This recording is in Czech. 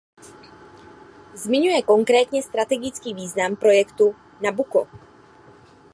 Zmiňuje konkrétně strategický význam projektu Nabucco.